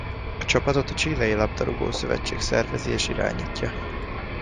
A csapatot a chilei labdarúgó-szövetség szervezi és irányítja.